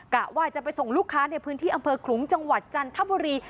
กะว่าจะไปส่งลูกค้าในพื้นที่อำเภอขลุงจังหวัดจันทบุรี